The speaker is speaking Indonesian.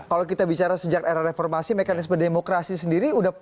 kalau kita bicara sejak era reformasi mekanisme demokrasi sendiri